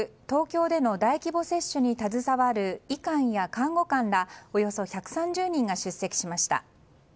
東京での大規模接種に携わる医官や看護官らおよそ１３０人が出席しました。